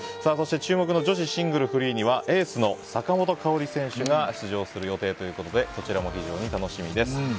そして、注目の女子シングルフリーにはエースの坂本花織選手が出場する予定ということでこちらも非常に楽しみです。